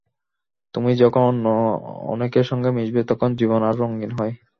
তুমি যখন অন্য অনেকের সঙ্গে মিশবে, তখন জীবন আরও রঙিন হয়।